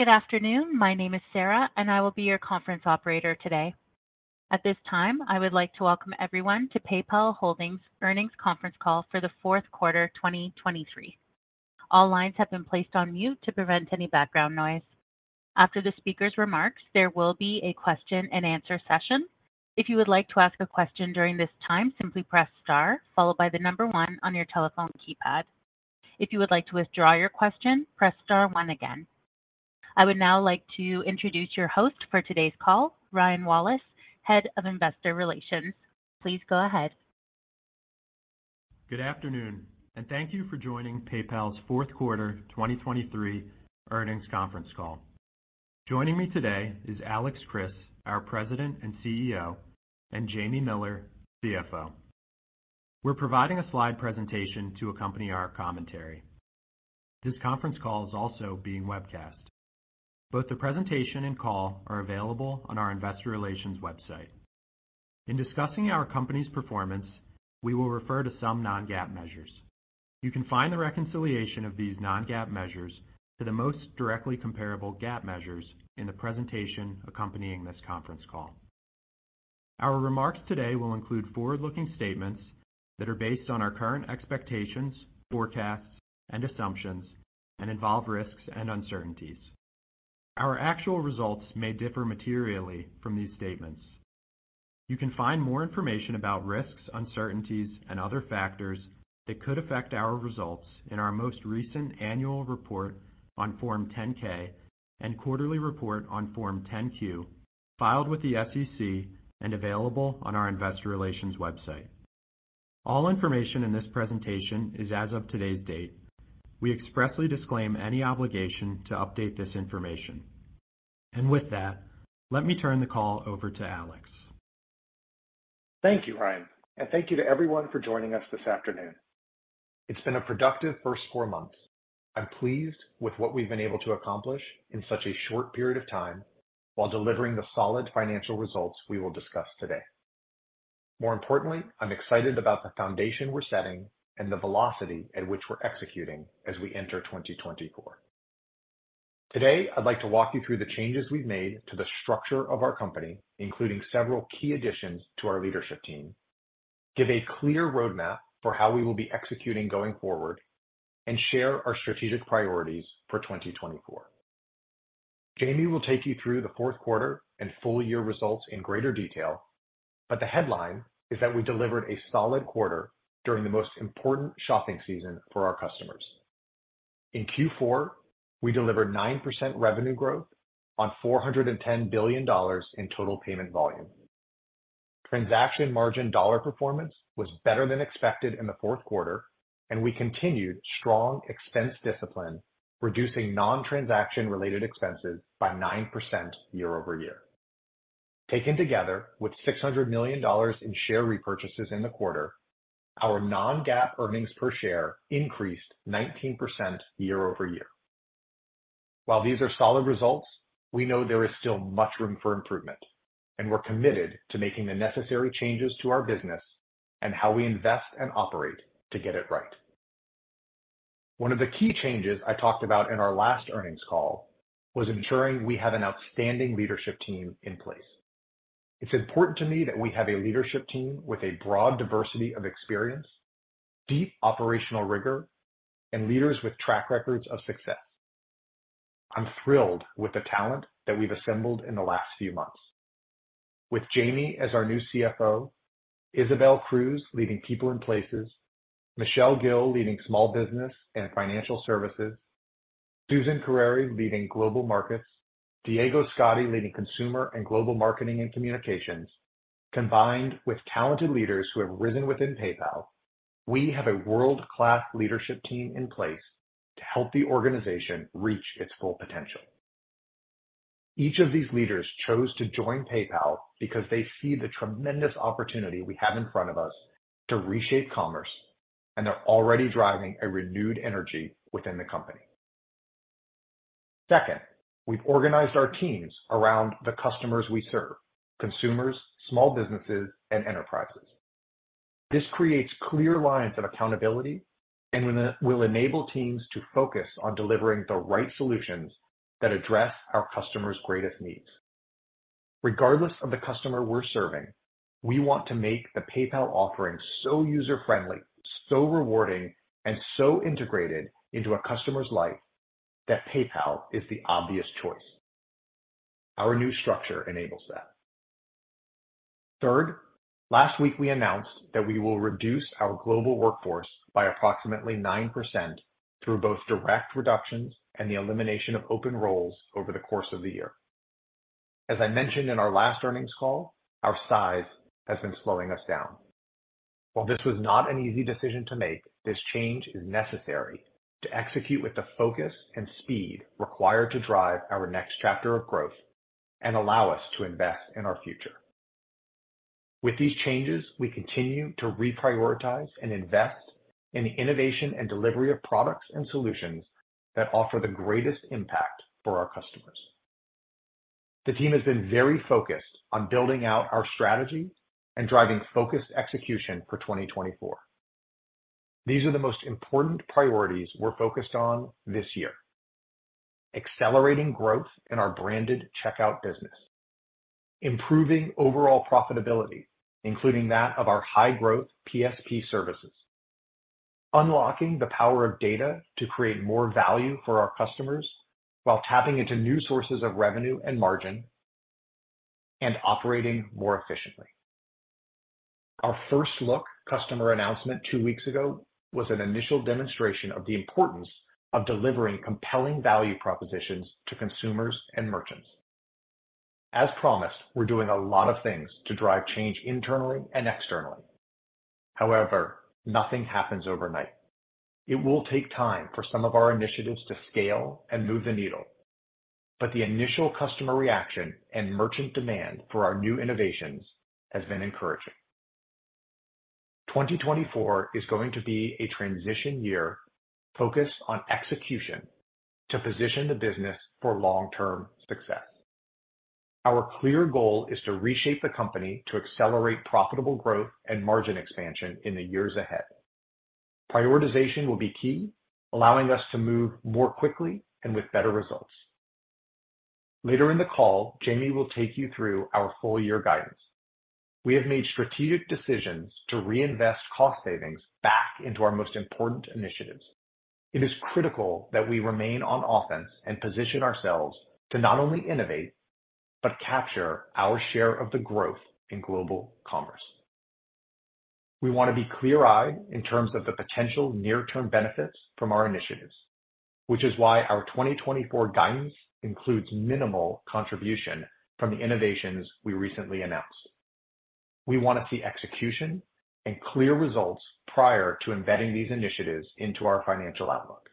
Good afternoon. My name is Sarah, and I will be your conference operator today. At this time, I would like to welcome everyone to PayPal Holdings Earnings Conference Call for the fourth quarter, 2023. All lines have been placed on mute to prevent any background noise. After the speaker's remarks, there will be a question and answer session. If you would like to ask a question during this time, simply press star followed by the number one on your telephone keypad. If you would like to withdraw your question, press star one again. I would now like to introduce your host for today's call, Ryan Wallace, Head of Investor Relations. Please go ahead. Good afternoon, and thank you for joining PayPal's fourth quarter 2023 earnings conference call. Joining me today is Alex Chriss, our President and CEO, and Jamie Miller, CFO. We're providing a slide presentation to accompany our commentary. This conference call is also being webcast. Both the presentation and call are available on our investor relations website. In discussing our company's performance, we will refer to some non-GAAP measures. You can find the reconciliation of these non-GAAP measures to the most directly comparable GAAP measures in the presentation accompanying this conference call. Our remarks today will include forward-looking statements that are based on our current expectations, forecasts, and assumptions, and involve risks and uncertainties. Our actual results may differ materially from these statements. You can find more information about risks, uncertainties, and other factors that could affect our results in our most recent annual report on Form 10-K and quarterly report on Form 10-Q, filed with the SEC and available on our investor relations website. All information in this presentation is as of today's date. We expressly disclaim any obligation to update this information. With that, let me turn the call over to Alex. Thank you, Ryan, and thank you to everyone for joining us this afternoon. It's been a productive first four months. I'm pleased with what we've been able to accomplish in such a short period of time while delivering the solid financial results we will discuss today. More importantly, I'm excited about the foundation we're setting and the velocity at which we're executing as we enter 2024. Today, I'd like to walk you through the changes we've made to the structure of our company, including several key additions to our leadership team, give a clear roadmap for how we will be executing going forward, and share our strategic priorities for 2024. Jamie will take you through the fourth quarter and full year results in greater detail, but the headline is that we delivered a solid quarter during the most important shopping season for our customers. In Q4, we delivered 9% revenue growth on $410 billion in total payment volume. Transaction margin dollar performance was better than expected in the fourth quarter, and we continued strong expense discipline, reducing non-transaction related expenses by 9% year-over-year. Taken together, with $600 million in share repurchases in the quarter, our non-GAAP earnings per share increased 19% year-over-year. While these are solid results, we know there is still much room for improvement, and we're committed to making the necessary changes to our business and how we invest and operate to get it right. One of the key changes I talked about in our last earnings call was ensuring we have an outstanding leadership team in place. It's important to me that we have a leadership team with a broad diversity of experience, deep operational rigor, and leaders with track records of success. I'm thrilled with the talent that we've assembled in the last few months. With Jamie as our new CFO, Isabel Cruz leading People and Places, Michelle Gill leading Small Business and Financial Services, Suzan Kereere leading Global Markets, Diego Scotti leading Consumer and Global Marketing and Communications, combined with talented leaders who have risen within PayPal, we have a world-class leadership team in place to help the organization reach its full potential. Each of these leaders chose to join PayPal because they see the tremendous opportunity we have in front of us to reshape commerce, and they're already driving a renewed energy within the company. Second, we've organized our teams around the customers we serve: consumers, small businesses, and enterprises. This creates clear lines of accountability and will enable teams to focus on delivering the right solutions that address our customers' greatest needs. Regardless of the customer we're serving, we want to make the PayPal offering so user-friendly, so rewarding, and so integrated into a customer's life that PayPal is the obvious choice. Our new structure enables that. Third, last week, we announced that we will reduce our global workforce by approximately 9% through both direct reductions and the elimination of open roles over the course of the year. As I mentioned in our last earnings call, our size has been slowing us down. While this was not an easy decision to make, this change is necessary to execute with the focus and speed required to drive our next chapter of growth and allow us to invest in our future. With these changes, we continue to reprioritize and invest in the innovation and delivery of products and solutions that offer the greatest impact for our customers. The team has been very focused on building out our strategy and driving focused execution for 2024. These are the most important priorities we're focused on this year: accelerating growth in our Branded Checkout business, improving overall profitability, including that of our high-growth PSP services, unlocking the power of data to create more value for our customers while tapping into new sources of revenue and margin, and operating more efficiently. Our First Look customer announcement two weeks ago was an initial demonstration of the importance of delivering compelling value propositions to consumers and merchants. As promised, we're doing a lot of things to drive change internally and externally. However, nothing happens overnight. It will take time for some of our initiatives to scale and move the needle, but the initial customer reaction and merchant demand for our new innovations has been encouraging. 2024 is going to be a transition year focused on execution to position the business for long-term success. Our clear goal is to reshape the company to accelerate profitable growth and margin expansion in the years ahead. Prioritization will be key, allowing us to move more quickly and with better results. Later in the call, Jamie will take you through our full year guidance. We have made strategic decisions to reinvest cost savings back into our most important initiatives. It is critical that we remain on offense and position ourselves to not only innovate, but capture our share of the growth in global commerce. We want to be clear-eyed in terms of the potential near-term benefits from our initiatives, which is why our 2024 guidance includes minimal contribution from the innovations we recently announced. We want to see execution and clear results prior to embedding these initiatives into our financial outlook.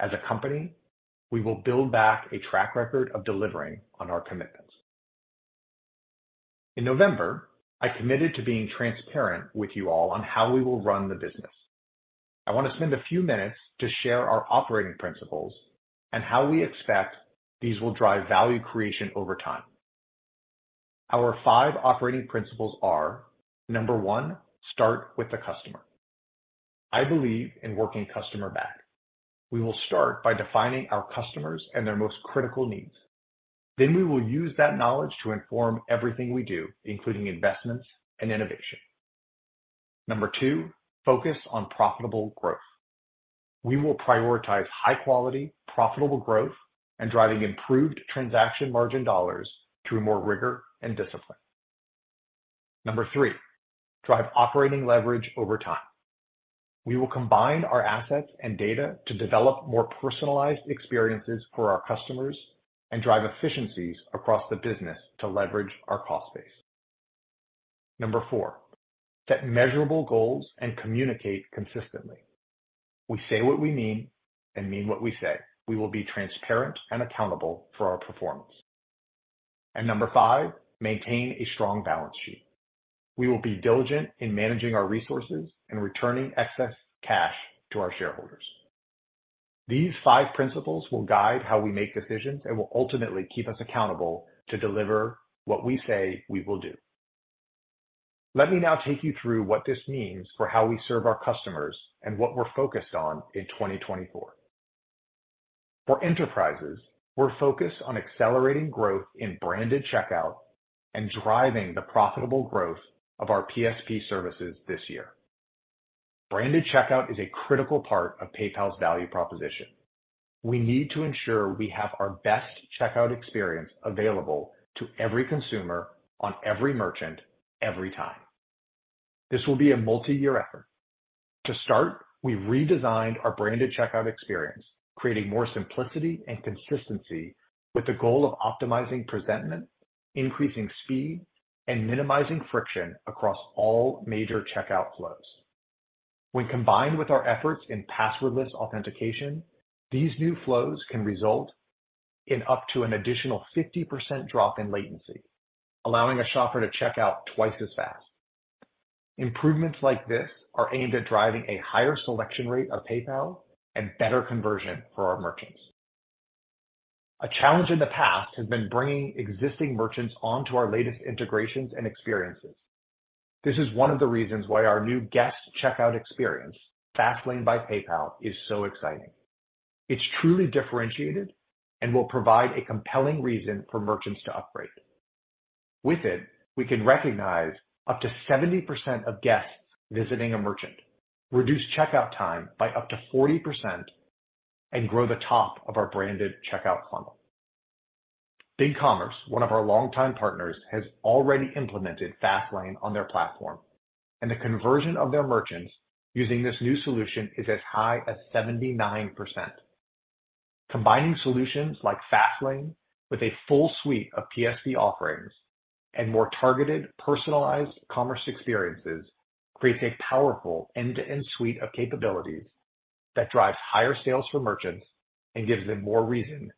As a company, we will build back a track record of delivering on our commitments. In November, I committed to being transparent with you all on how we will run the business. I want to spend a few minutes to share our operating principles and how we expect these will drive value creation over time. Our five operating principles are, number one, start with the customer. I believe in working customer back. We will start by defining our customers and their most critical needs. Then we will use that knowledge to inform everything we do, including investments and innovation. Number two, focus on profitable growth. We will prioritize high quality, profitable growth, and driving improved transaction margin dollars through more rigor and discipline. Number three, drive operating leverage over time. We will combine our assets and data to develop more personalized experiences for our customers and drive efficiencies across the business to leverage our cost base. Number four, set measurable goals and communicate consistently. We say what we mean and mean what we say. We will be transparent and accountable for our performance. Number five, maintain a strong balance sheet. We will be diligent in managing our resources and returning excess cash to our shareholders. These five principles will guide how we make decisions and will ultimately keep us accountable to deliver what we say we will do. Let me now take you through what this means for how we serve our customers and what we're focused on in 2024. For enterprises, we're focused on accelerating growth in Branded Checkout and driving the profitable growth of our PSP services this year. Branded Checkout is a critical part of PayPal's value proposition. We need to ensure we have our best checkout experience available to every consumer on every merchant, every time. This will be a multi-year effort. To start, we redesigned our Branded Checkout experience, creating more simplicity and consistency with the goal of optimizing presentment, increasing speed, and minimizing friction across all major checkout flows. When combined with our efforts in passwordless authentication, these new flows can result in up to an additional 50% drop in latency, allowing a shopper to check out twice as fast. Improvements like this are aimed at driving a higher selection rate of PayPal and better conversion for our merchants. A challenge in the past has been bringing existing merchants onto our latest integrations and experiences. This is one of the reasons why our new guest checkout experience, Fastlane by PayPal, is so exciting. It's truly differentiated and will provide a compelling reason for merchants to upgrade. With it, we can recognize up to 70% of guests visiting a merchant, reduce checkout time by up to 40%, and grow the top of our branded checkout funnel. BigCommerce, one of our longtime partners, has already implemented Fastlane on their platform, and the conversion of their merchants using this new solution is as high as 79%. Combining solutions like Fastlane with a full suite of PSP offerings and more targeted, personalized commerce experiences, creates a powerful end-to-end suite of capabilities that drives higher sales for merchants and gives them more reason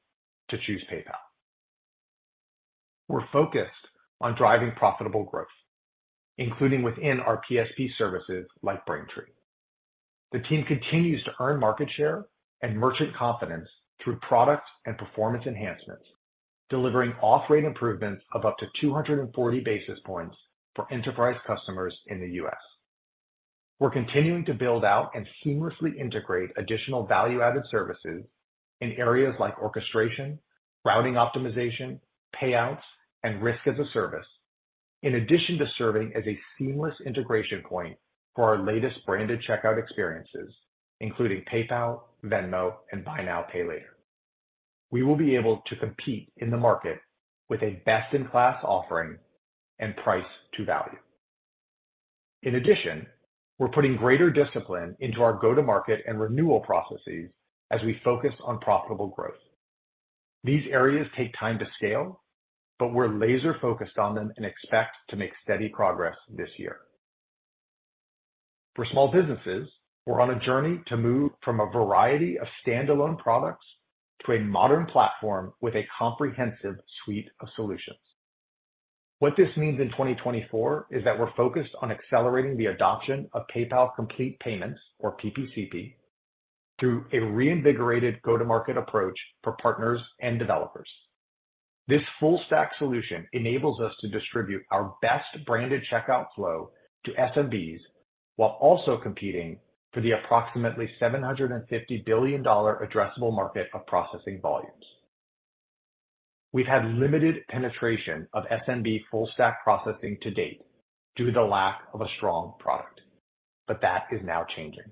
to choose PayPal. We're focused on driving profitable growth, including within our PSP services like Braintree. The team continues to earn market share and merchant confidence through product and performance enhancements, delivering auth rate improvements of up to 240 basis points for enterprise customers in the US We're continuing to build out and seamlessly integrate additional value-added services in areas like orchestration, routing optimization, payouts, and risk as a service. In addition to serving as a seamless integration point for our latest branded checkout experiences, including PayPal, Venmo, and Buy Now, Pay Later. We will be able to compete in the market with a best-in-class offering and price to value. In addition, we're putting greater discipline into our go-to-market and renewal processes as we focus on profitable growth. These areas take time to scale, but we're laser-focused on them and expect to make steady progress this year. For small businesses, we're on a journey to move from a variety of standalone products to a modern platform with a comprehensive suite of solutions. What this means in 2024 is that we're focused on accelerating the adoption of PayPal Complete Payments, or PPCP, through a reinvigorated go-to-market approach for partners and developers. This full stack solution enables us to distribute our best-branded checkout flow to SMBs, while also competing for the approximately $750 billion addressable market of processing volumes. We've had limited penetration of SMB full stack processing to date due to the lack of a strong product, but that is now changing.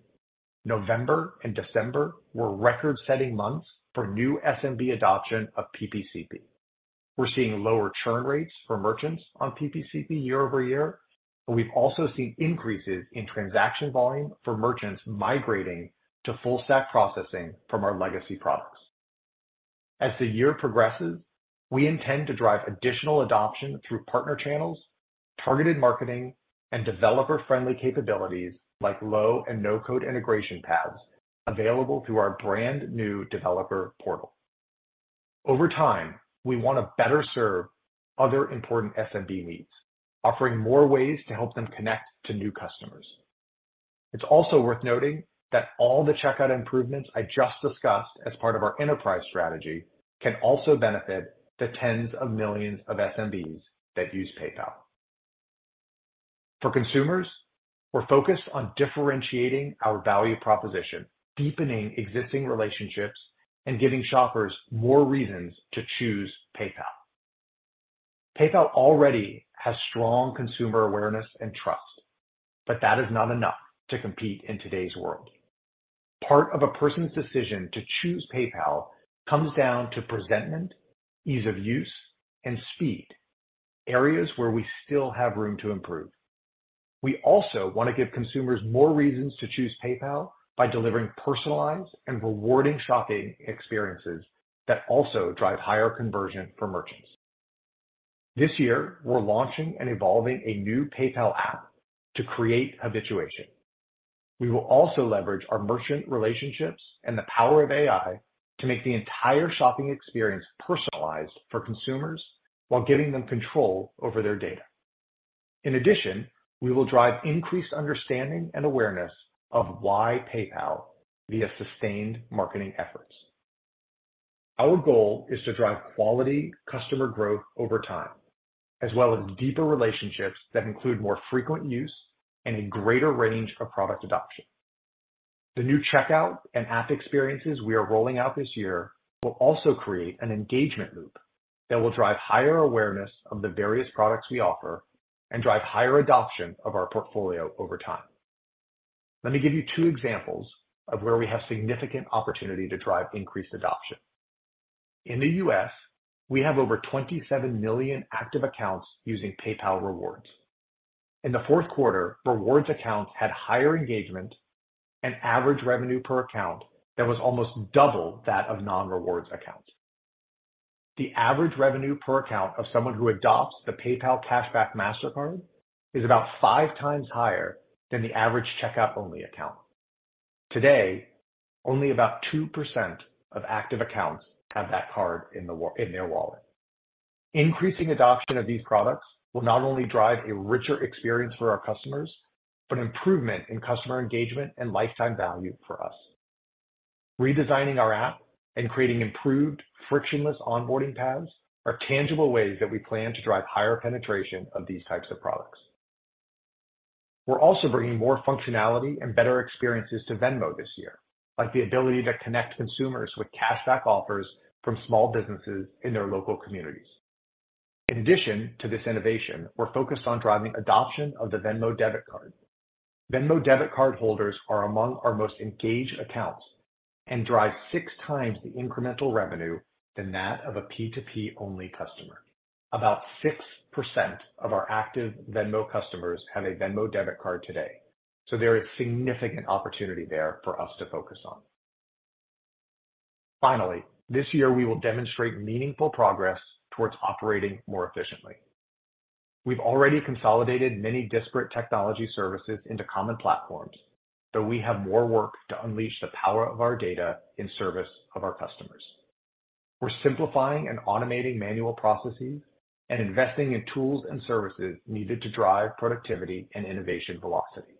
November and December were record-setting months for new SMB adoption of PPCP. We're seeing lower churn rates for merchants on PPCP year-over-year, and we've also seen increases in transaction volume for merchants migrating to full stack processing from our legacy products. As the year progresses, we intend to drive additional adoption through partner channels, targeted marketing, and developer-friendly capabilities like low and no-code integration paths available through our brand-new developer portal. Over time, we want to better serve other important SMB needs, offering more ways to help them connect to new customers. It's also worth noting that all the checkout improvements I just discussed as part of our enterprise strategy can also benefit the tens of millions of SMBs that use PayPal. For consumers, we're focused on differentiating our value proposition, deepening existing relationships, and giving shoppers more reasons to choose PayPal. PayPal already has strong consumer awareness and trust, but that is not enough to compete in today's world. Part of a person's decision to choose PayPal comes down to presentment, ease of use, and speed, areas where we still have room to improve. We also want to give consumers more reasons to choose PayPal by delivering personalized and rewarding shopping experiences that also drive higher conversion for merchants. This year, we're launching and evolving a new PayPal app to create habituation. We will also leverage our merchant relationships and the power of AI to make the entire shopping experience personalized for consumers while giving them control over their data. In addition, we will drive increased understanding and awareness of why PayPal via sustained marketing efforts. Our goal is to drive quality customer growth over time, as well as deeper relationships that include more frequent use and a greater range of product adoption. The new checkout and app experiences we are rolling out this year will also create an engagement loop that will drive higher awareness of the various products we offer and drive higher adoption of our portfolio over time. Let me give you two examples of where we have significant opportunity to drive increased adoption. In the US, we have over 27 million active accounts using PayPal Rewards. In the fourth quarter, rewards accounts had higher engagement and average revenue per account that was almost double that of non-rewards accounts. The average revenue per account of someone who adopts the PayPal Cashback Mastercard is about five times higher than the average checkout-only account. Today, only about 2% of active accounts have that card in their wallet. Increasing adoption of these products will not only drive a richer experience for our customers, but improvement in customer engagement and lifetime value for us. Redesigning our app and creating improved, frictionless onboarding paths are tangible ways that we plan to drive higher penetration of these types of products. We're also bringing more functionality and better experiences to Venmo this year, like the ability to connect consumers with cashback offers from small businesses in their local communities. In addition to this innovation, we're focused on driving adoption of the Venmo Debit Card. Venmo Debit Card holders are among our most engaged accounts and drive six times the incremental revenue than that of a P2P-only customer. About 6% of our active Venmo customers have a Venmo Debit Card today, so there is significant opportunity there for us to focus on. Finally, this year, we will demonstrate meaningful progress towards operating more efficiently. We've already consolidated many disparate technology services into common platforms, but we have more work to unleash the power of our data in service of our customers. We're simplifying and automating manual processes and investing in tools and services needed to drive productivity and innovation velocity.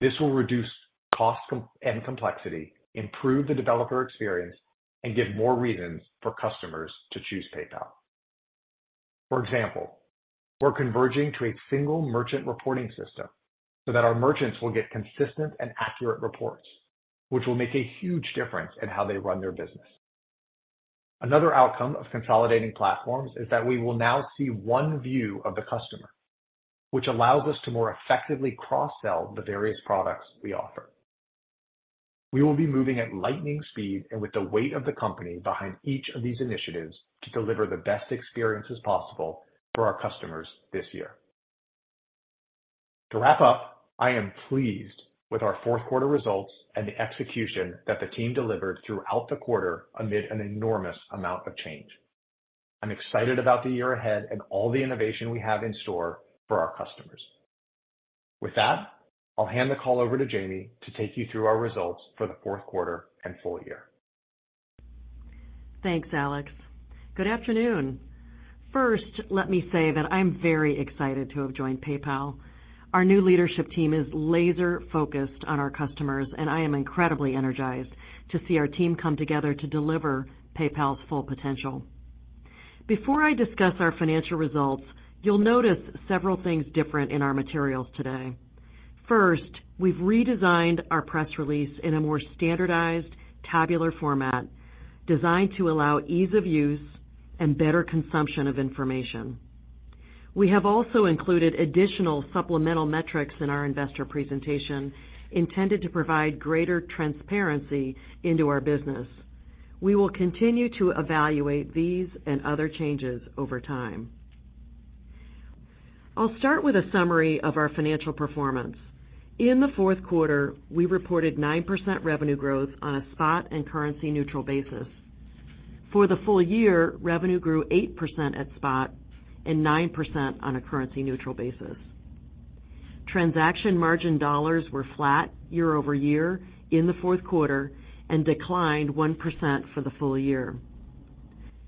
This will reduce cost and complexity, improve the developer experience, and give more reasons for customers to choose PayPal. For example, we're converging to a single merchant reporting system, so that our merchants will get consistent and accurate reports, which will make a huge difference in how they run their business. Another outcome of consolidating platforms is that we will now see one view of the customer, which allows us to more effectively cross-sell the various products we offer. We will be moving at lightning speed and with the weight of the company behind each of these initiatives to deliver the best experiences possible for our customers this year. To wrap up, I am pleased with our fourth quarter results and the execution that the team delivered throughout the quarter amid an enormous amount of change. I'm excited about the year ahead and all the innovation we have in store for our customers. With that, I'll hand the call over to Jamie to take you through our results for the fourth quarter and full year. Thanks, Alex. Good afternoon. First, let me say that I'm very excited to have joined PayPal. Our new leadership team is laser-focused on our customers, and I am incredibly energized to see our team come together to deliver PayPal's full potential. Before I discuss our financial results, you'll notice several things different in our materials today. First, we've redesigned our press release in a more standardized, tabular format, designed to allow ease of use and better consumption of information. We have also included additional supplemental metrics in our investor presentation, intended to provide greater transparency into our business. We will continue to evaluate these and other changes over time. I'll start with a summary of our financial performance. In the fourth quarter, we reported 9% revenue growth on a spot and currency-neutral basis. For the full year, revenue grew 8% at spot and 9% on a currency-neutral basis. Transaction margin dollars were flat year-over-year in the fourth quarter and declined 1% for the full year.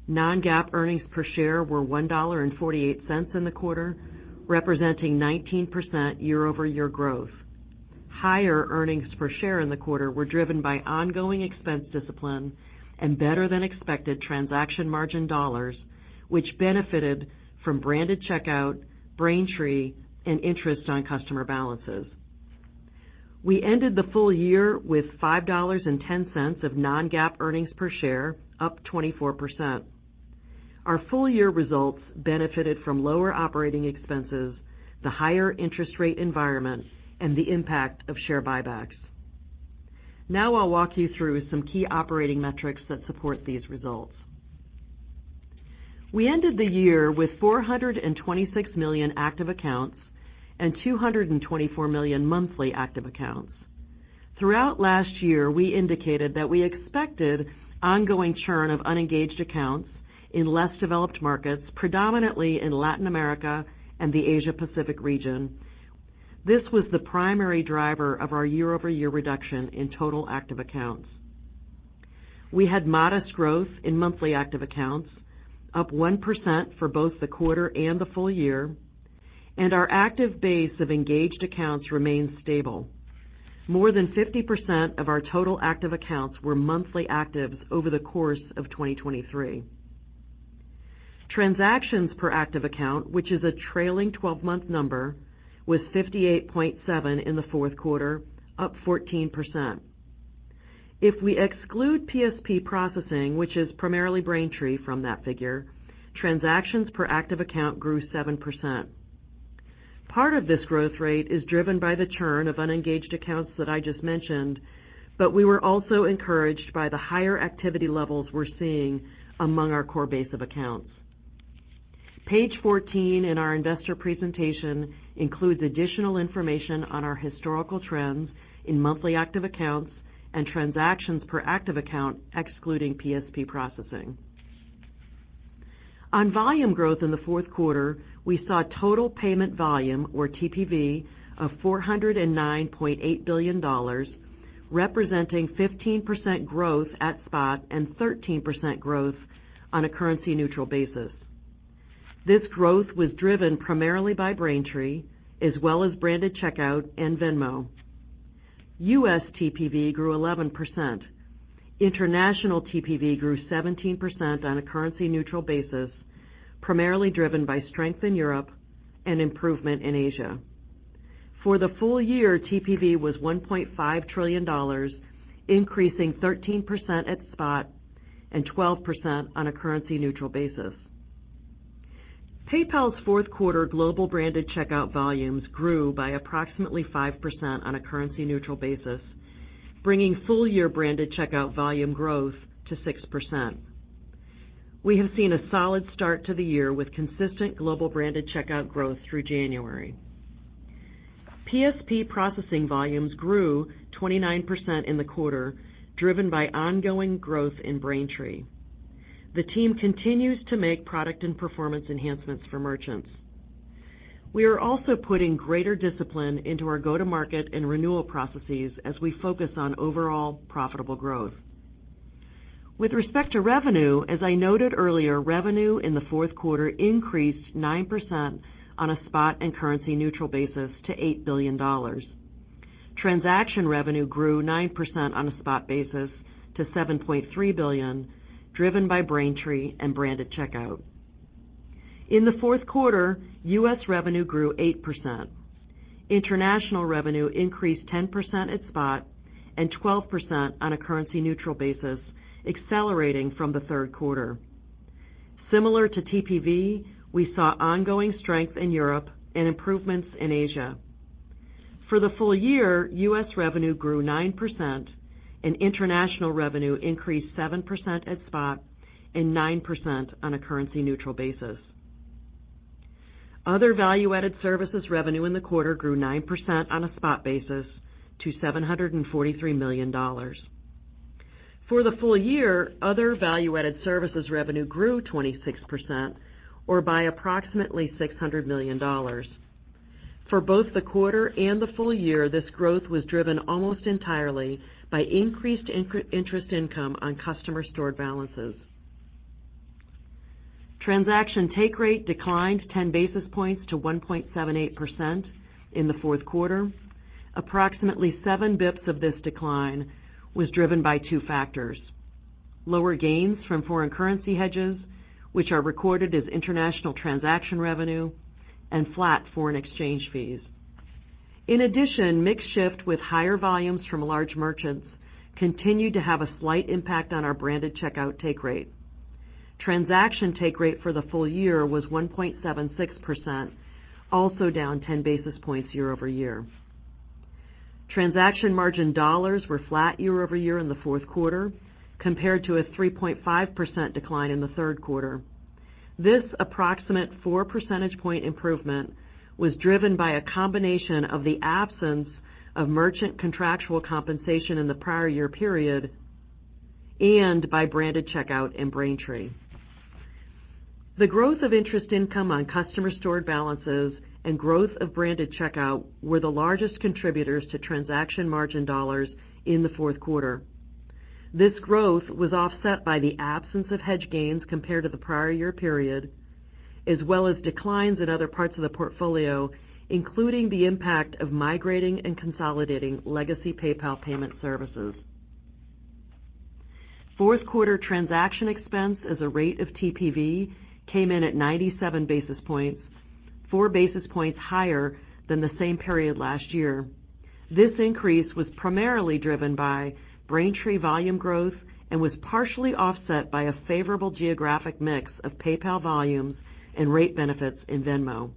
Non-GAAP earnings per share were $1.48 in the quarter, representing 19% year-over-year growth. Higher earnings per share in the quarter were driven by ongoing expense discipline and better than expected transaction margin dollars, which benefited from Branded Checkout, Braintree, and interest on customer balances. We ended the full year with $5.10 of non-GAAP earnings per share, up 24%. Our full-year results benefited from lower operating expenses, the higher interest rate environment, and the impact of share buybacks. Now I'll walk you through some key operating metrics that support these results. We ended the year with 426 million active accounts and 224 million monthly active accounts. Throughout last year, we indicated that we expected ongoing churn of unengaged accounts in less developed markets, predominantly in Latin America and the Asia Pacific region. This was the primary driver of our year-over-year reduction in total active accounts. We had modest growth in monthly active accounts, up 1% for both the quarter and the full year, and our active base of engaged accounts remains stable. More than 50% of our total active accounts were monthly actives over the course of 2023. Transactions per active account, which is a trailing twelve-month number, was 58.7 in the fourth quarter, up 14%. If we exclude PSP processing, which is primarily Braintree from that figure, transactions per active account grew 7%. Part of this growth rate is driven by the churn of unengaged accounts that I just mentioned, but we were also encouraged by the higher activity levels we're seeing among our core base of accounts. Page 14 in our investor presentation includes additional information on our historical trends in monthly active accounts and transactions per active account, excluding PSP processing. On volume growth in the fourth quarter, we saw total payment volume, or TPV, of $409.8 billion, representing 15% growth at spot and 13% growth on a currency-neutral basis. This growth was driven primarily by Braintree, as well as Branded Checkout and Venmo. US TPV grew 11%. International TPV grew 17% on a currency-neutral basis, primarily driven by strength in Europe and improvement in Asia. For the full year, TPV was $1.5 trillion, increasing 13% at spot and 12% on a currency-neutral basis. PayPal's fourth quarter global Branded Checkout volumes grew by approximately 5% on a currency-neutral basis, bringing full-year Branded Checkout volume growth to 6%. We have seen a solid start to the year with consistent global Branded Checkout growth through January. PSP processing volumes grew 29% in the quarter, driven by ongoing growth in Braintree. The team continues to make product and performance enhancements for merchants. We are also putting greater discipline into our go-to-market and renewal processes as we focus on overall profitable growth. With respect to revenue, as I noted earlier, revenue in the fourth quarter increased 9% on a spot and currency neutral basis to $8 billion. Transaction revenue grew 9% on a spot basis to $7.3 billion, driven by Braintree and Branded Checkout. In the fourth quarter, US revenue grew 8%. International revenue increased 10% at spot and 12% on a currency neutral basis, accelerating from the third quarter. Similar to TPV, we saw ongoing strength in Europe and improvements in Asia. For the full year, US revenue grew 9%, and international revenue increased 7% at spot and 9% on a currency neutral basis. Other value-added services revenue in the quarter grew 9% on a spot basis to $743 million. For the full year, other value-added services revenue grew 26% or by approximately $600 million. For both the quarter and the full year, this growth was driven almost entirely by increased interest income on customer stored balances. Transaction take rate declined 10 basis points to 1.78% in the fourth quarter. Approximately 7 basis points of this decline was driven by two factors: lower gains from foreign currency hedges, which are recorded as international transaction revenue, and flat foreign exchange fees. In addition, mix shift with higher volumes from large merchants continued to have a slight impact on our Branded Checkout take rate. Transaction take rate for the full year was 1.76%, also down 10 basis points year-over-year. Transaction margin dollars were flat year-over-year in the fourth quarter, compared to a 3.5% decline in the third quarter. This approximate four percentage point improvement was driven by a combination of the absence of merchant contractual compensation in the prior year period, and by Branded Checkout and Braintree. The growth of interest income on customer stored balances and growth of Branded Checkout were the largest contributors to transaction margin dollars in the fourth quarter. This growth was offset by the absence of hedge gains compared to the prior year period, as well as declines in other parts of the portfolio, including the impact of migrating and consolidating legacy PayPal payment services. Fourth quarter transaction expense as a rate of TPV came in at 97 basis points, 4 basis points higher than the same period last year. This increase was primarily driven by Braintree volume growth and was partially offset by a favorable geographic mix of PayPal volume and rate benefits in Venmo.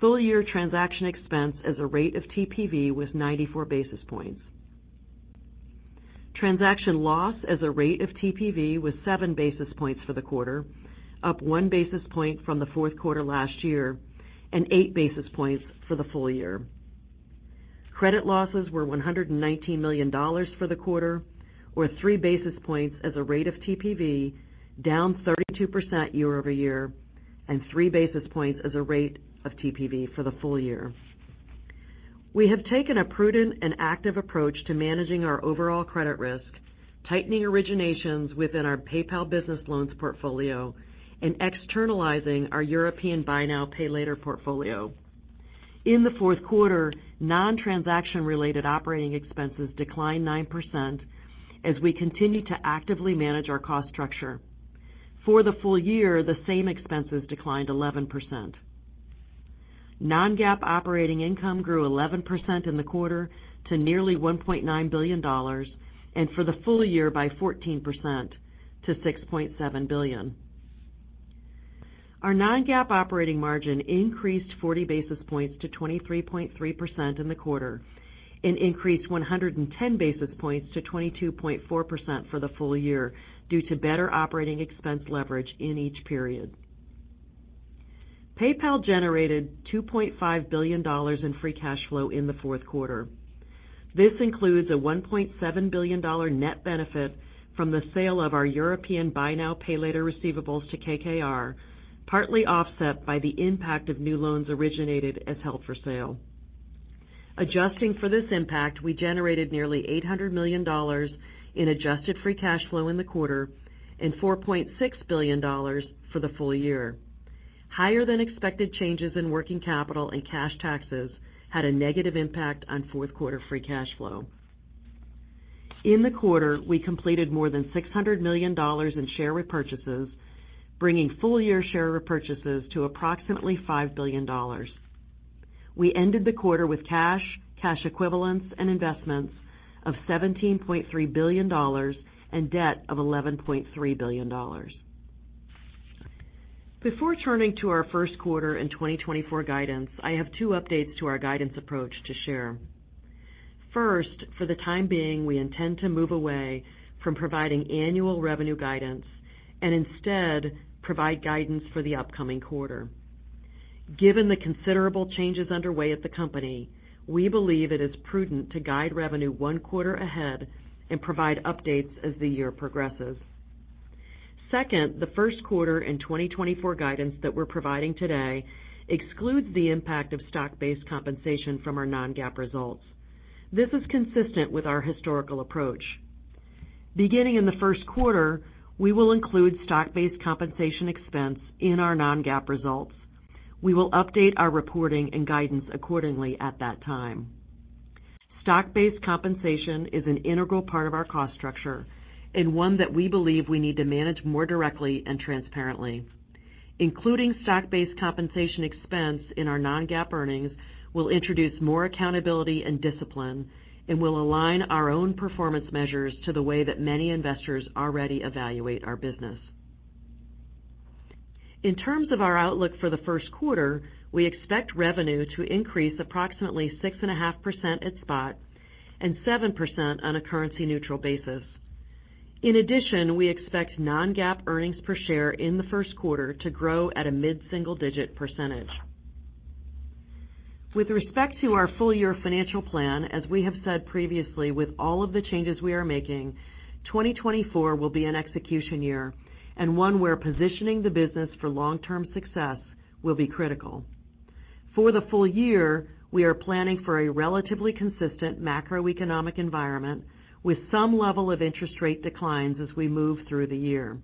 Full year transaction expense as a rate of TPV was 94 basis points. Transaction loss as a rate of TPV was 7 basis points for the quarter, up one basis point from the fourth quarter last year, and 8 basis points for the full year. Credit losses were $119 million for the quarter, or 3 basis points as a rate of TPV, down 32% year-over-year, and 3 basis points as a rate of TPV for the full year. We have taken a prudent and active approach to managing our overall credit risk, tightening originations within our PayPal Business Loans portfolio and externalizing our European buy now, pay later portfolio. In the fourth quarter, non-transaction related operating expenses declined 9% as we continued to actively manage our cost structure. For the full year, the same expenses declined 11%. Non-GAAP operating income grew 11% in the quarter to nearly $1.9 billion, and for the full year by 14% to $6.7 billion. Our non-GAAP operating margin increased 40 basis points to 23.3% in the quarter, and increased 110 basis points to 22.4% for the full year, due to better operating expense leverage in each period. PayPal generated $2.5 billion in free cash flow in the fourth quarter. This includes a $1.7 billion net benefit from the sale of our European buy now, pay later receivables to KKR, partly offset by the impact of new loans originated as held for sale. Adjusting for this impact, we generated nearly $800 million in adjusted free cash flow in the quarter and $4.6 billion for the full year. Higher than expected changes in working capital and cash taxes had a negative impact on fourth quarter free cash flow. In the quarter, we completed more than $600 million in share repurchases, bringing full year share repurchases to approximately $5 billion. We ended the quarter with cash, cash equivalents, and investments of $17.3 billion and debt of $11.3 billion. Before turning to our first quarter 2024 guidance, I have two updates to our guidance approach to share. First, for the time being, we intend to move away from providing annual revenue guidance and instead provide guidance for the upcoming quarter. Given the considerable changes underway at the company, we believe it is prudent to guide revenue one quarter ahead and provide updates as the year progresses. Second, the first quarter in 2024 guidance that we're providing today excludes the impact of stock-based compensation from our non-GAAP results. This is consistent with our historical approach. Beginning in the first quarter, we will include stock-based compensation expense in our non-GAAP results. We will update our reporting and guidance accordingly at that time. Stock-based compensation is an integral part of our cost structure and one that we believe we need to manage more directly and transparently. Including stock-based compensation expense in our non-GAAP earnings will introduce more accountability and discipline and will align our own performance measures to the way that many investors already evaluate our business. In terms of our outlook for the first quarter, we expect revenue to increase approximately 6.5% at spot and 7% on a currency-neutral basis. In addition, we expect non-GAAP earnings per share in the first quarter to grow at a mid-single-digit percentage. With respect to our full-year financial plan, as we have said previously, with all of the changes we are making, 2024 will be an execution year and one where positioning the business for long-term success will be critical. For the full year, we are planning for a relatively consistent macroeconomic environment with some level of interest rate declines as we move through the year.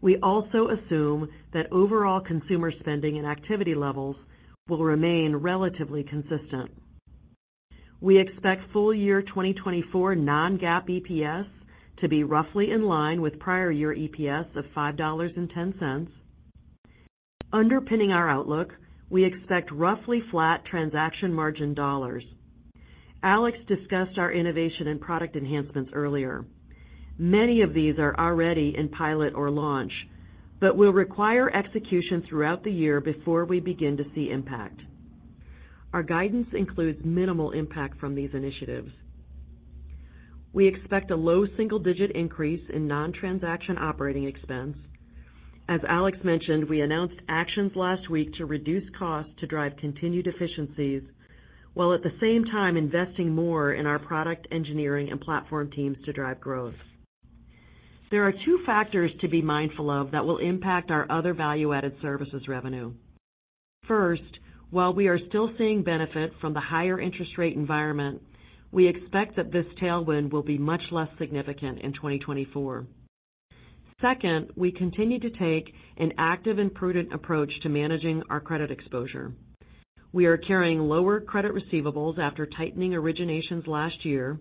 We also assume that overall consumer spending and activity levels will remain relatively consistent. We expect full-year 2024 non-GAAP EPS to be roughly in line with prior year EPS of $5.10. Underpinning our outlook, we expect roughly flat transaction margin dollars. Alex discussed our innovation and product enhancements earlier. Many of these are already in pilot or launch, but will require execution throughout the year before we begin to see impact. Our guidance includes minimal impact from these initiatives. We expect a low single-digit increase in non-transaction operating expense. As Alex mentioned, we announced actions last week to reduce costs to drive continued efficiencies, while at the same time investing more in our product engineering and platform teams to drive growth. There are two factors to be mindful of that will impact our other value-added services revenue. First, while we are still seeing benefit from the higher interest rate environment, we expect that this tailwind will be much less significant in 2024. Second, we continue to take an active and prudent approach to managing our credit exposure. We are carrying lower credit receivables after tightening originations last year,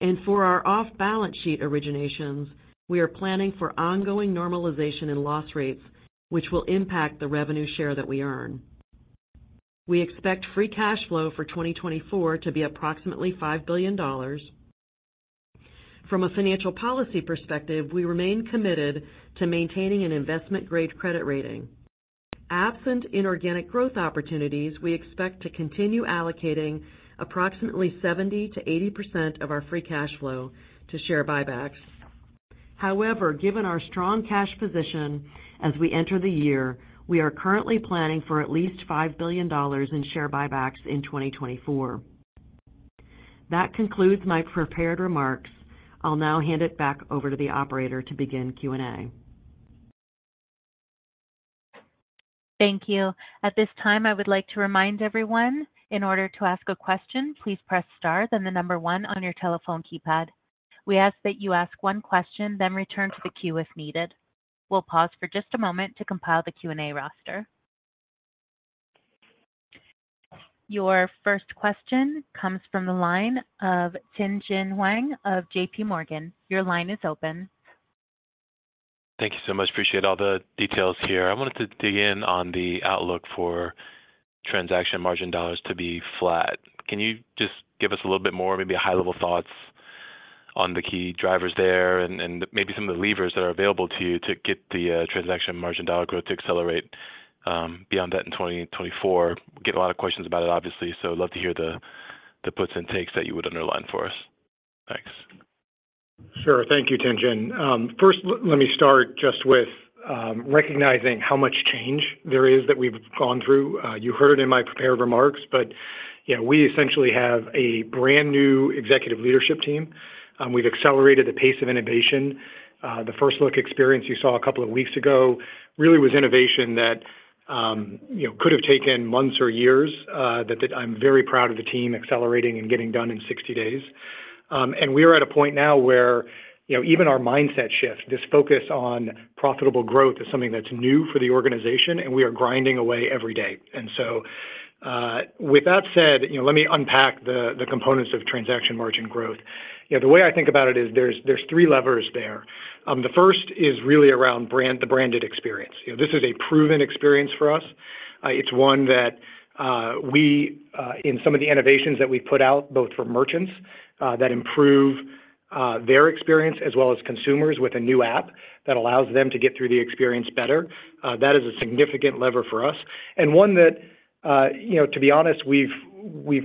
and for our off-balance sheet originations, we are planning for ongoing normalization in loss rates, which will impact the revenue share that we earn. We expect free cash flow for 2024 to be approximately $5 billion. From a financial policy perspective, we remain committed to maintaining an investment-grade credit rating. Absent inorganic growth opportunities, we expect to continue allocating approximately 70%-80% of our free cash flow to share buybacks. However, given our strong cash position as we enter the year, we are currently planning for at least $5 billion in share buybacks in 2024. That concludes my prepared remarks. I'll now hand it back over to the operator to begin Q&A. Thank you. At this time, I would like to remind everyone, in order to ask a question, please press star, then the number one on your telephone keypad. We ask that you ask one question, then return to the queue if needed. We'll pause for just a moment to compile the Q&A roster. Your first question comes from the line of Tien-Tsin Huang of JPMorgan. Your line is open. Thank you so much. Appreciate all the details here. I wanted to dig in on the outlook for transaction margin dollars to be flat. Can you just give us a little bit more, maybe a high-level thoughts on the key drivers there and, and maybe some of the levers that are available to you to get the, transaction margin dollar growth to accelerate, beyond that in 2024? We get a lot of questions about it, obviously, so I'd love to hear the, the puts and takes that you would underline for us. Thanks. Sure. Thank you, Tien-Tsin. First, let me start just with recognizing how much change there is that we've gone through. You heard in my prepared remarks, but, yeah, we essentially have a brand-new executive leadership team. We've accelerated the pace of innovation. The first look experience you saw a couple of weeks ago really was innovation that, you know, could have taken months or years, that I'm very proud of the team accelerating and getting done in 60 days. And we are at a point now where, you know, even our mindset shift, this focus on profitable growth is something that's new for the organization, and we are grinding away every day. So, with that said, you know, let me unpack the components of transaction margin growth. You know, the way I think about it is there's three levers there. The first is really around brand, the branded experience. You know, this is a proven experience for us. It's one that we in some of the innovations that we put out, both for merchants that improve their experience, as well as consumers with a new app that allows them to get through the experience better, that is a significant lever for us. And one that, you know, to be honest, we've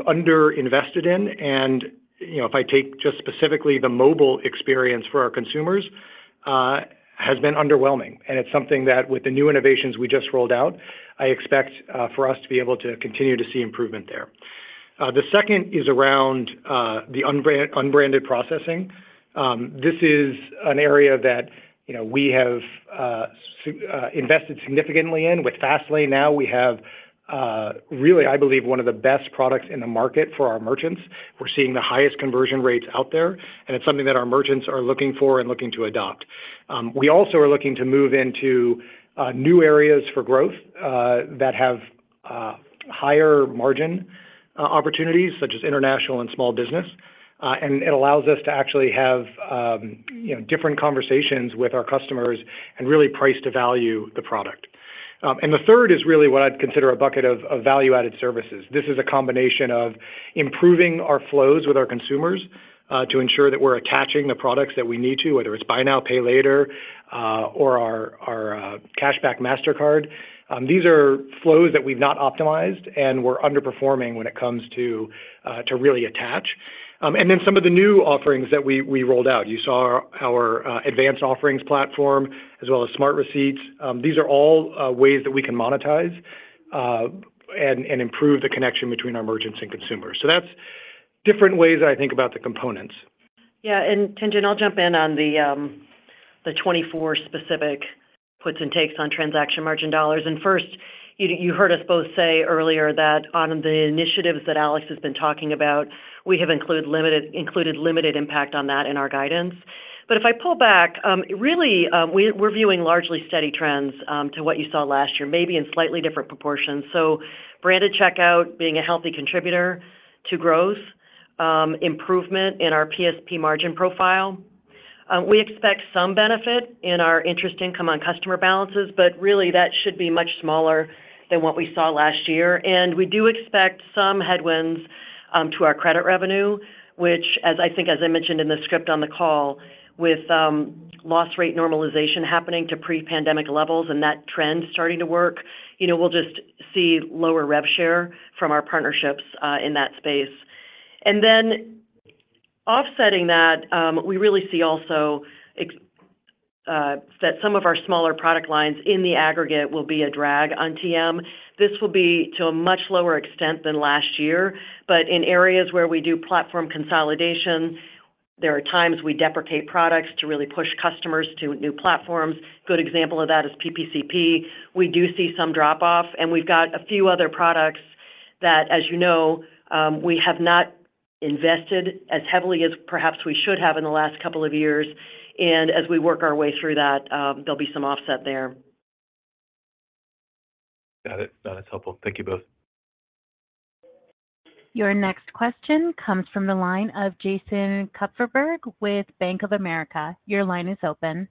underinvested in, and, you know, if I take just specifically the mobile experience for our consumers, has been underwhelming. And it's something that with the new innovations we just rolled out, I expect for us to be able to continue to see improvement there. The second is around the unbranded processing. This is an area that, you know, we have invested significantly in. With Fastlane now, we have really, I believe, one of the best products in the market for our merchants. We're seeing the highest conversion rates out there, and it's something that our merchants are looking for and looking to adopt. We also are looking to move into new areas for growth that have higher margin opportunities, such as international and small business. And it allows us to actually have, you know, different conversations with our customers and really price to value the product. And the third is really what I'd consider a bucket of value-added services. This is a combination of improving our flows with our consumers, to ensure that we're attaching the products that we need to, whether it's Buy Now, Pay Later, or our Cashback Mastercard. These are flows that we've not optimized, and we're underperforming when it comes to really attach. And then some of the new offerings that we rolled out. You saw our Advanced Offerings platform, as well as Smart Receipts. These are all ways that we can monetize, and improve the connection between our merchants and consumers. So that's different ways that I think about the components. Yeah, and Tien, I'll jump in on the 24 specific puts and takes on transaction margin dollars. First, you heard us both say earlier that on the initiatives that Alex has been talking about, we have included limited impact on that in our guidance. But if I pull back, really, we're viewing largely steady trends to what you saw last year, maybe in slightly different proportions. So branded checkout being a healthy contributor to growth, improvement in our PSP margin profile. We expect some benefit in our interest income on customer balances, but really, that should be much smaller than what we saw last year. We do expect some headwinds to our credit revenue, which as I think, as I mentioned in the script on the call, with loss rate normalization happening to pre-pandemic levels and that trend starting to work, you know, we'll just see lower rev share from our partnerships in that space. Then offsetting that, we really see also that some of our smaller product lines in the aggregate will be a drag on TM. This will be to a much lower extent than last year, but in areas where we do platform consolidation, there are times we deprecate products to really push customers to new platforms. Good example of that is PPCP. We do see some drop-off, and we've got a few other products that, as you know, we have not invested as heavily as perhaps we should have in the last couple of years, and as we work our way through that, there'll be some offset there. Got it. No, that's helpful. Thank you both. Your next question comes from the line of Jason Kupferberg with Bank of America. Your line is open.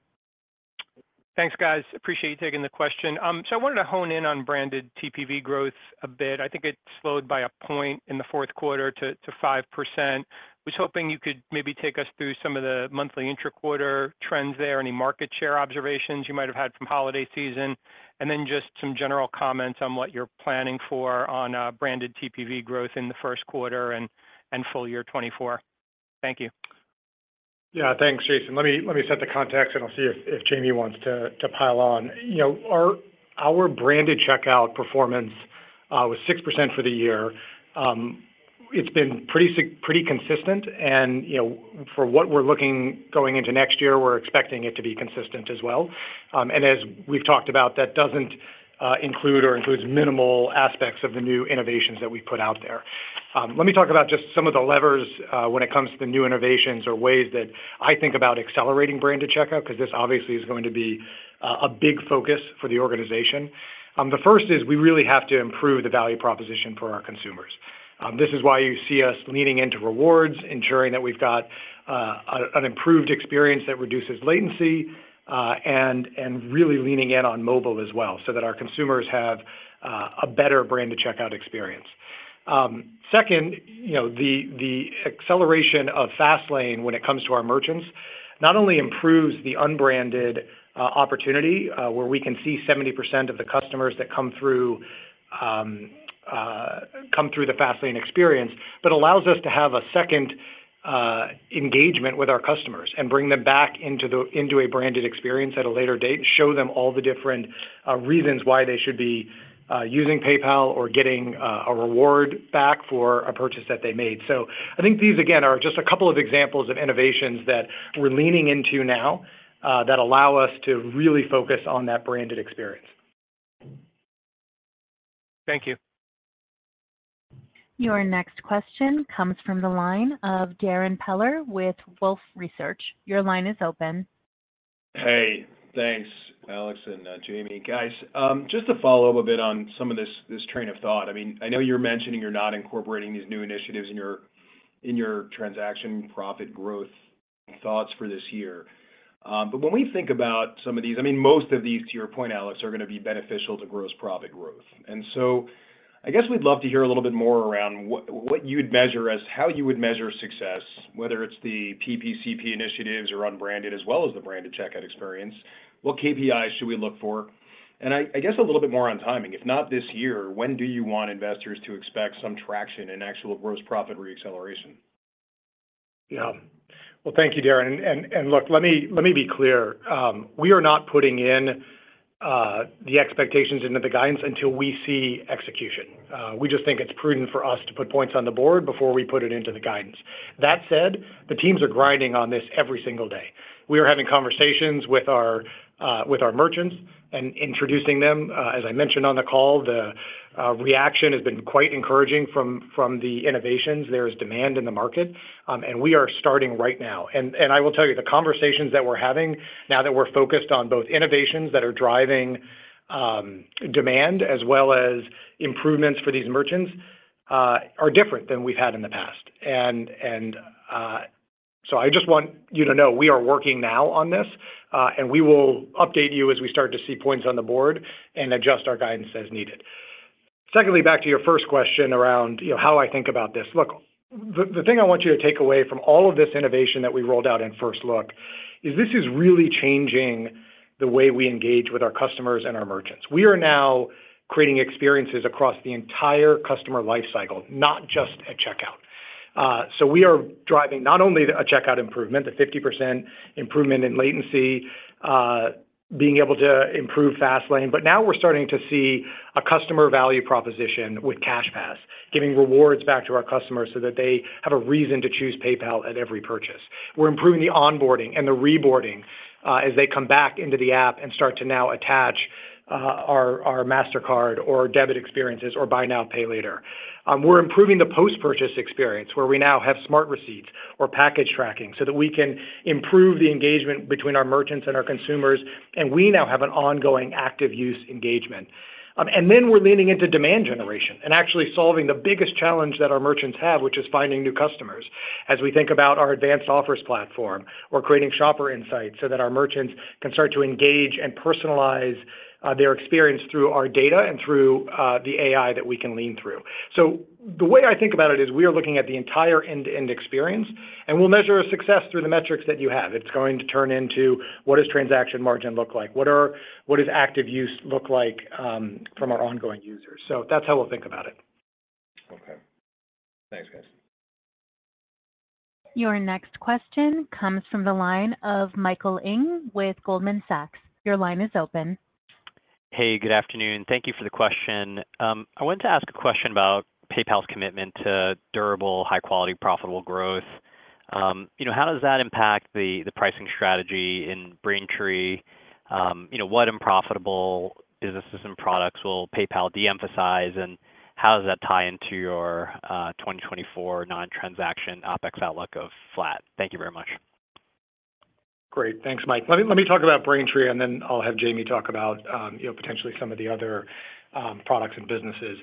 Thanks, guys. Appreciate you taking the question. So I wanted to hone in on branded TPV growth a bit. I think it slowed by a point in the fourth quarter to, to 5%. Was hoping you could maybe take us through some of the monthly intraquarter trends there, any market share observations you might have had from holiday season, and then just some general comments on what you're planning for on branded TPV growth in the first quarter and full year 2024. Thank you. Yeah, thanks, Jason. Let me set the context, and I'll see if Jamie wants to pile on. You know, our branded checkout performance was 6% for the year. It's been pretty consistent and, you know, for what we're looking going into next year, we're expecting it to be consistent as well. And as we've talked about, that doesn't include or includes minimal aspects of the new innovations that we put out there. Let me talk about just some of the levers when it comes to the new innovations or ways that I think about accelerating branded checkout, because this obviously is going to be a big focus for the organization. The first is we really have to improve the value proposition for our consumers. This is why you see us leaning into rewards, ensuring that we've got an improved experience that reduces latency, and really leaning in on mobile as well, so that our consumers have a better branded checkout experience. Second, you know, the acceleration of Fastlane when it comes to our merchants not only improves the unbranded opportunity, where we can see 70% of the customers that come through come through the Fastlane experience, but allows us to have a second engagement with our customers and bring them back into a branded experience at a later date, and show them all the different reasons why they should be using PayPal or getting a reward back for a purchase that they made. So I think these, again, are just a couple of examples of innovations that we're leaning into now, that allow us to really focus on that branded experience. Thank you. Your next question comes from the line of Darrin Peller with Wolfe Research. Your line is open. Hey, thanks, Alex and, Jamie. Guys, just to follow up a bit on some of this, this train of thought. I mean, I know you're mentioning you're not incorporating these new initiatives in your, in your transaction profit growth thoughts for this year, but when we think about some of these—I mean, most of these, to your point, Alex, are going to be beneficial to gross profit growth. And so I guess we'd love to hear a little bit more around what, what you'd measure as how you would measure success, whether it's the PPCP initiatives or unbranded, as well as the branded checkout experience. What KPIs should we look for? And I, I guess a little bit more on timing. If not this year, when do you want investors to expect some traction in actual gross profit reacceleration? Yeah. Well, thank you, Darrin. And look, let me be clear. We are not putting in the expectations into the guidance until we see execution. We just think it's prudent for us to put points on the board before we put it into the guidance. That said, the teams are grinding on this every single day. We are having conversations with our merchants and introducing them. As I mentioned on the call, the reaction has been quite encouraging from the innovations. There is demand in the market, and we are starting right now. And I will tell you, the conversations that we're having now that we're focused on both innovations that are driving demand as well as improvements for these merchants are different than we've had in the past. So I just want you to know we are working now on this, and we will update you as we start to see points on the board and adjust our guidance as needed. Secondly, back to your first question around, you know, how I think about this. Look, the thing I want you to take away from all of this innovation that we rolled out in First Look is this is really changing the way we engage with our customers and our merchants. We are now creating experiences across the entire customer life cycle, not just at checkout. So we are driving not only a checkout improvement, the 50% improvement in latency, being able to improve Fastlane, but now we're starting to see a customer value proposition with CashPass, giving rewards back to our customers so that they have a reason to choose PayPal at every purchase. We're improving the onboarding and the reboarding, as they come back into the app and start to now attach our Mastercard or debit experiences or Buy Now, Pay Later. We're improving the post-purchase experience, where we now have Smart Receipts or package tracking so that we can improve the engagement between our merchants and our consumers, and we now have an ongoing active use engagement. And then we're leaning into demand generation and actually solving the biggest challenge that our merchants have, which is finding new customers. As we think about our Advanced Offers platform or creating Shopper Insights so that our merchants can start to engage and personalize their experience through our data and through the AI that we can lean through. So the way I think about it is we are looking at the entire end-to-end experience, and we'll measure our success through the metrics that you have. It's going to turn into, what does transaction margin look like? What does active use look like from our ongoing users? So that's how we'll think about it. Okay. Thanks, guys. Your next question comes from the line of Michael Ng with Goldman Sachs. Your line is open. Hey, good afternoon. Thank you for the question. I wanted to ask a question about PayPal's commitment to durable, high-quality, profitable growth. You know, how does that impact the pricing strategy in Braintree? You know, what unprofitable businesses and products will PayPal de-emphasize, and how does that tie into your, 2024 non-transaction OpEx outlook of flat? Thank you very much. Great. Thanks, Mike. Let me talk about Braintree, and then I'll have Jamie talk about, you know, potentially some of the other products and businesses.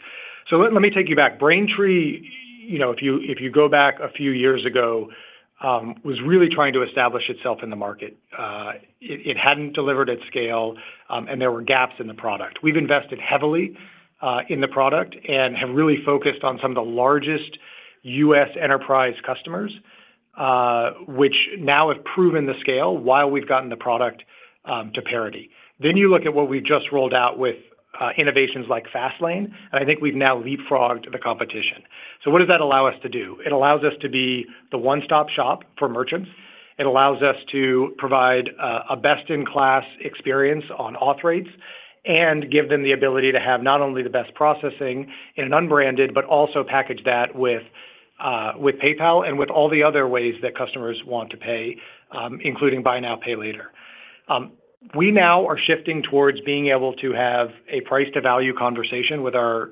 So let me take you back. Braintree, you know, if you go back a few years ago, was really trying to establish itself in the market. It hadn't delivered at scale, and there were gaps in the product. We've invested heavily in the product and have really focused on some of the largest US enterprise customers, which now have proven the scale while we've gotten the product to parity. Then you look at what we've just rolled out with innovations like Fastlane, and I think we've now leapfrogged the competition. So what does that allow us to do? It allows us to be the one-stop shop for merchants. It allows us to provide a best-in-class experience on auth rates and give them the ability to have not only the best processing in an unbranded, but also package that with, with PayPal and with all the other ways that customers want to pay, including Buy Now, Pay Later. We now are shifting towards being able to have a price-to-value conversation with our,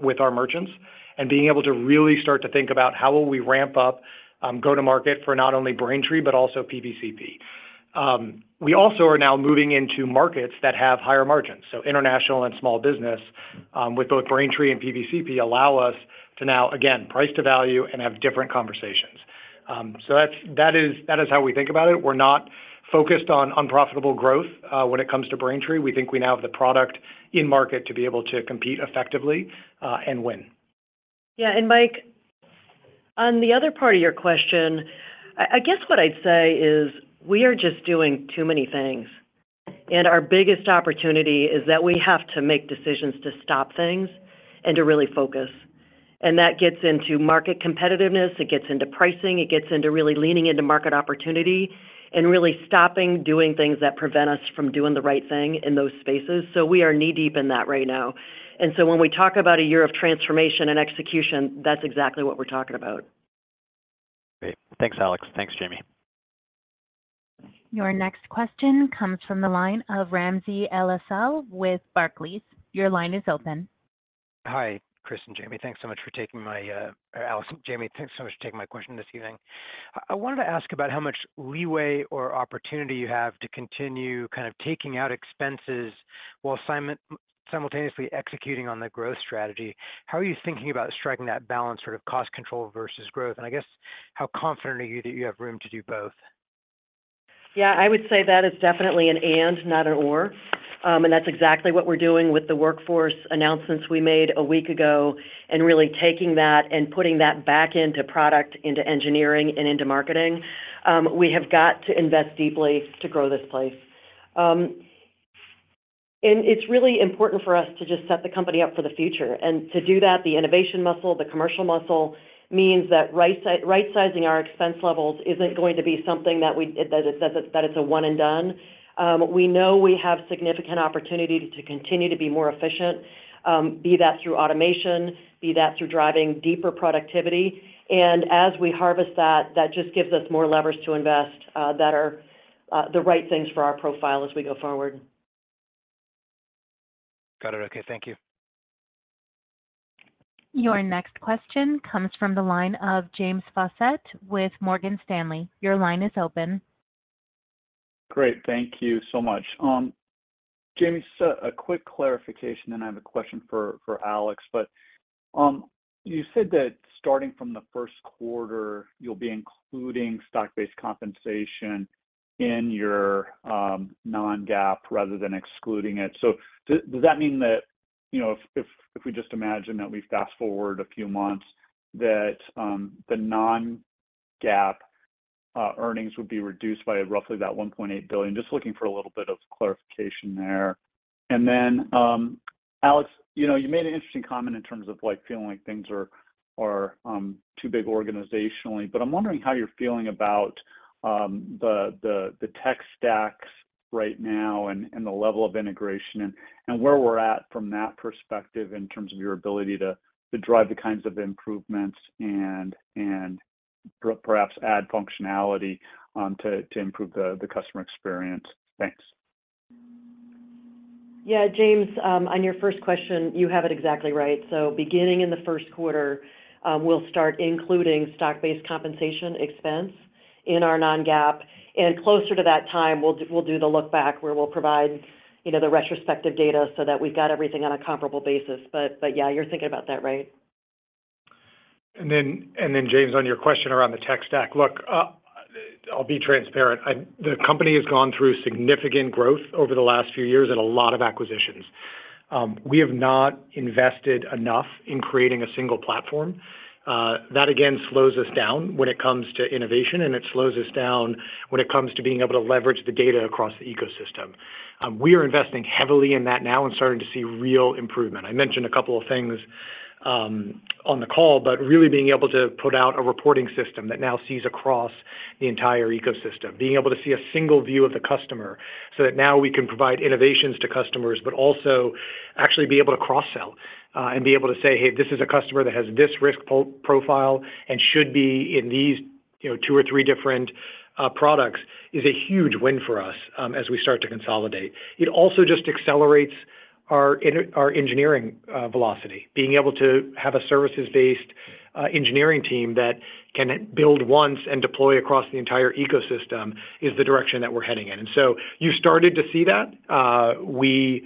with our merchants and being able to really start to think about how will we ramp up go-to-market for not only Braintree, but also PPCP. We also are now moving into markets that have higher margins, so international and small business, with both Braintree and PPCP, allow us to now, again, price to value and have different conversations. So that's. That is, that is how we think about it. We're not focused on unprofitable growth, when it comes to Braintree. We think we now have the product in market to be able to compete effectively, and win. Yeah, and Mike, on the other part of your question, I guess what I'd say is we are just doing too many things, and our biggest opportunity is that we have to make decisions to stop things and to really focus. And that gets into market competitiveness. It gets into pricing. It gets into really leaning into market opportunity and really stopping doing things that prevent us from doing the right thing in those spaces. So we are knee-deep in that right now. And so when we talk about a year of transformation and execution, that's exactly what we're talking about. Great. Thanks, Alex. Thanks, Jamie. Your next question comes from the line of Ramsey El-Assal with Barclays. Your line is open. Hi, Chris and Jamie. Thanks so much for taking my, Alex and Jamie, thanks so much for taking my question this evening. I wanted to ask about how much leeway or opportunity you have to continue kind of taking out expenses while simultaneously executing on the growth strategy. How are you thinking about striking that balance, sort of cost control versus growth? And I guess, how confident are you that you have room to do both? Yeah, I would say that is definitely an and, not an or. That's exactly what we're doing with the workforce announcements we made a week ago, and really taking that and putting that back into product, into engineering, and into marketing. We have got to invest deeply to grow this place. It's really important for us to just set the company up for the future. To do that, the innovation muscle, the commercial muscle means that right-sizing our expense levels isn't going to be something that it's a one and done. We know we have significant opportunity to continue to be more efficient, be that through automation, be that through driving deeper productivity. And as we harvest that, that just gives us more leverage to invest in the right things for our profile as we go forward. Got it. Okay, thank you. Your next question comes from the line of James Faucette with Morgan Stanley. Your line is open. Great. Thank you so much. Jamie, so a quick clarification, then I have a question for Alex. But you said that starting from the first quarter, you'll be including stock-based compensation in your non-GAAP, rather than excluding it. So does that mean that, you know, if we just imagine that we've fast forward a few months, that the non-GAAP earnings would be reduced by roughly that $1.8 billion? Just looking for a little bit of clarification there. And then, Alex, you know, you made an interesting comment in terms of, like, feeling like things are too big organizationally, but I'm wondering how you're feeling about the tech stacks right now and the level of integration and where we're at from that perspective in terms of your ability to drive the kinds of improvements and perhaps add functionality to improve the customer experience. Thanks. Yeah, James, on your first question, you have it exactly right. So beginning in the first quarter, we'll start including stock-based compensation expense in our non-GAAP. And closer to that time, we'll do the look back, where we'll provide, you know, the retrospective data so that we've got everything on a comparable basis. But yeah, you're thinking about that right. James, on your question around the tech stack. Look, I'll be transparent. The company has gone through significant growth over the last few years and a lot of acquisitions. We have not invested enough in creating a single platform. That again slows us down when it comes to innovation, and it slows us down when it comes to being able to leverage the data across the ecosystem. We are investing heavily in that now and starting to see real improvement. I mentioned a couple of things on the call, but really being able to put out a reporting system that now sees across the entire ecosystem, being able to see a single view of the customer, so that now we can provide innovations to customers, but also actually be able to cross-sell, and be able to say, "Hey, this is a customer that has this risk profile and should be in these, you know, two or three different products," is a huge win for us as we start to consolidate. It also just accelerates our engineering velocity. Being able to have a services-based engineering team that can build once and deploy across the entire ecosystem is the direction that we're heading in. And so you started to see that. We,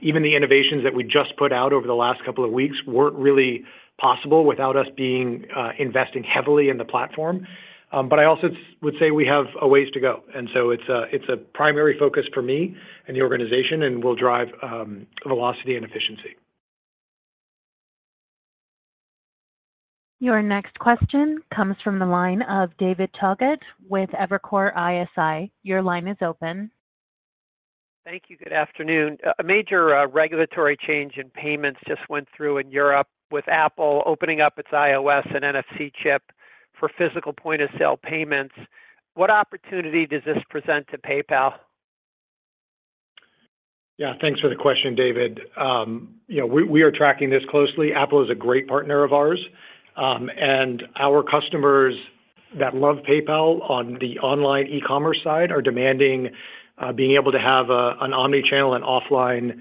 even the innovations that we just put out over the last couple of weeks weren't really possible without us being investing heavily in the platform. But I also would say we have a ways to go, and so it's a primary focus for me and the organization, and will drive velocity and efficiency. Your next question comes from the line of David Togut with Evercore ISI. Your line is open. Thank you. Good afternoon. A major regulatory change in payments just went through in Europe, with Apple opening up its iOS and NFC chip for physical point-of-sale payments. What opportunity does this present to PayPal? Yeah, thanks for the question, David. You know, we are tracking this closely. Apple is a great partner of ours, and our customers that love PayPal on the online e-commerce side are demanding being able to have an omni-channel and offline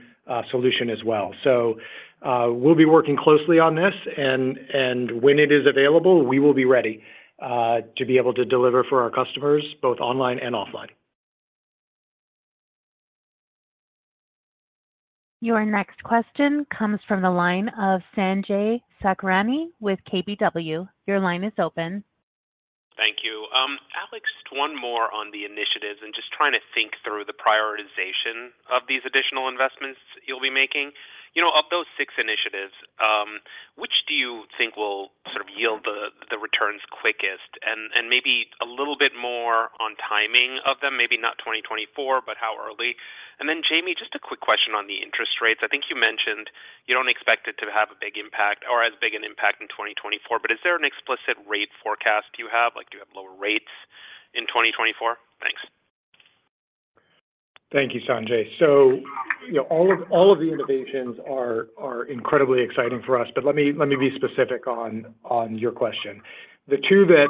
solution as well. So, we'll be working closely on this, and when it is available, we will be ready to be able to deliver for our customers, both online and offline. Your next question comes from the line of Sanjay Sakhrani with KBW. Your line is open. Thank you. Alex, one more on the initiatives, and just trying to think through the prioritization of these additional investments you'll be making. You know, of those six initiatives, which do you think will sort of yield the, the returns quickest? And, and maybe a little bit more on timing of them, maybe not 2024, but how early? And then, Jamie, just a quick question on the interest rates. I think you mentioned you don't expect it to have a big impact or as big an impact in 2024, but is there an explicit rate forecast you have? Like, do you have lower rates in 2024? Thanks. Thank you, Sanjay. So, you know, all of the innovations are incredibly exciting for us, but let me be specific on your question. The two that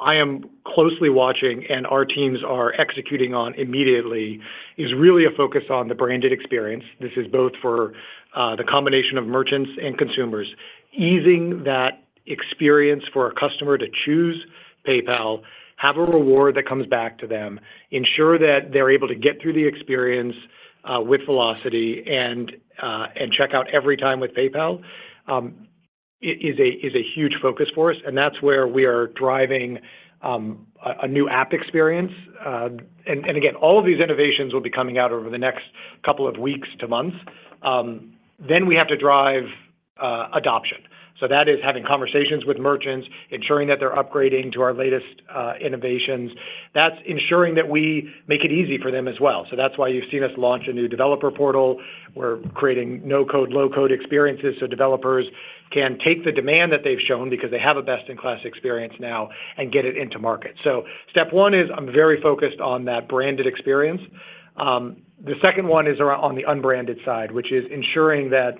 I am closely watching and our teams are executing on immediately is really a focus on the branded experience. This is both for the combination of merchants and consumers. Easing that experience for a customer to choose PayPal, have a reward that comes back to them, ensure that they're able to get through the experience with velocity and check out every time with PayPal is a huge focus for us, and that's where we are driving a new app experience. And again, all of these innovations will be coming out over the next couple of weeks to months. Then we have to drive adoption. So that is having conversations with merchants, ensuring that they're upgrading to our latest, innovations. That's ensuring that we make it easy for them as well. So that's why you've seen us launch a new developer portal. We're creating no-code, low-code experiences so developers can take the demand that they've shown, because they have a best-in-class experience now, and get it into market. So step one is I'm very focused on that branded experience. The second one is around, on the unbranded side, which is ensuring that,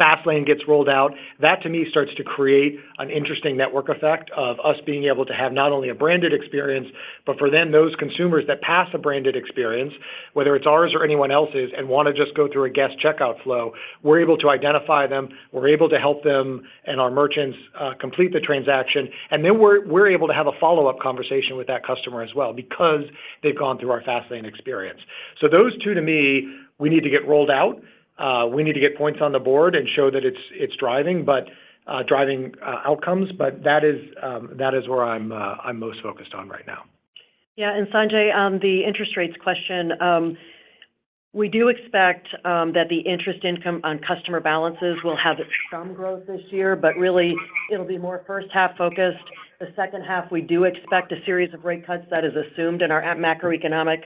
Fastlane gets rolled out. That, to me, starts to create an interesting network effect of us being able to have not only a branded experience, but for then those consumers that pass a branded experience, whether it's ours or anyone else's, and wanna just go through a guest checkout flow, we're able to identify them, we're able to help them and our merchants complete the transaction. And then we're able to have a follow-up conversation with that customer as well because they've gone through our Fastlane experience. So those two, to me, we need to get rolled out. We need to get points on the board and show that it's driving, but driving outcomes. But that is where I'm most focused on right now. Yeah, and Sanjay, on the interest rates question, we do expect that the interest income on customer balances will have some growth this year, but really it'll be more first half focused. The second half, we do expect a series of rate cuts. That is assumed in our macroeconomic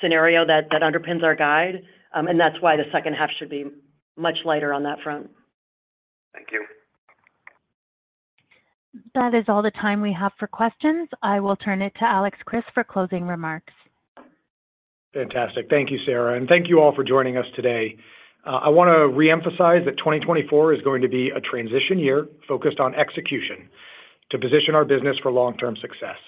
scenario that underpins our guide. And that's why the second half should be much lighter on that front. Thank you. That is all the time we have for questions. I will turn it to Alex Chriss for closing remarks. Fantastic. Thank you, Sarah, and thank you all for joining us today. I wanna reemphasize that 2024 is going to be a transition year focused on execution to position our business for long-term success.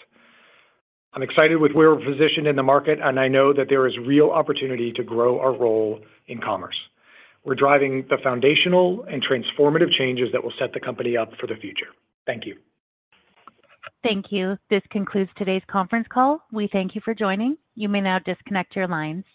I'm excited with where we're positioned in the market, and I know that there is real opportunity to grow our role in commerce. We're driving the foundational and transformative changes that will set the company up for the future. Thank you. Thank you. This concludes today's conference call. We thank you for joining. You may now disconnect your lines.